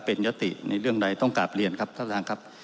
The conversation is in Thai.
เป็นยติในเรื่องใดต้องกลับเรียนครับท่านประธานครับ